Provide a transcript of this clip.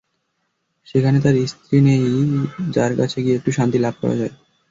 সেখানে তাঁর স্ত্রী নেই, যার কাছে গিয়ে একটু শান্তি লাভ করা যায়।